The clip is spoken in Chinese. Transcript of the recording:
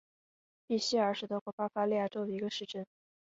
比希尔是德国巴伐利亚州的一个市镇。